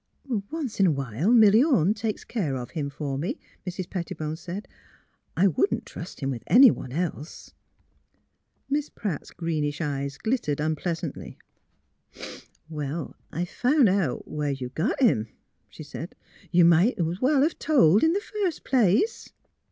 *' Once in a while Milly Orne takes care of him for me," Mrs. Pettibone said. '' I wouldn't trust him with anyone else." MISS PHILUEA'S BABY 339 Miss Pratt's greenish eyes glittered unpleas antly. '' Well, I've found out where you got him," she said. '' You might 's well 've told in the first place."